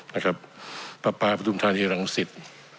นะครับพระปาพุทธานีรังสิทธิ์